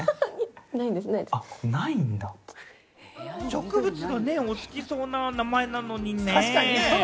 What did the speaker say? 植物がお好きそうな名前なのにね。